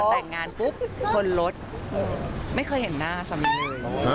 แต่งงานปุ๊บคนรถไม่เคยเห็นหน้าสามีเลย